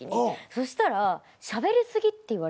そしたらしゃべり過ぎって言われたんですよね。